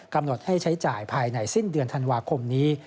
กำหนดให้ใช้จ่ายภายในสิ้นเดือนธันวาคมนี้